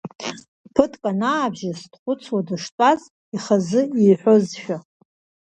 Ԥыҭк анаабжьыс, дхәыцуа дыштәаз, ихазы иҳәозшәа…